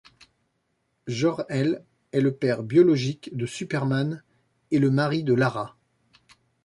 Jor-El est le père biologique de Superman, et le mari de Lara.